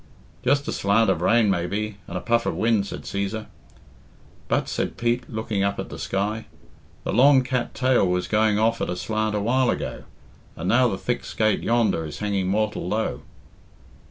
"Just a slant of rain maybe, and a puff of wind," said Cæsar. "But," said Pete, looking up at the sky, "the long cat tail was going off at a slant awhile ago, and now the thick skate yonder is hanging mortal low."